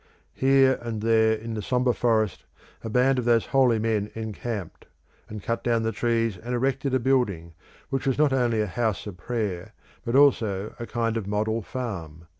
Here and there in the sombre forest a band of those holy men encamped, and cut down the trees and erected a building which was not only a house of prayer, but also a kind of model farm.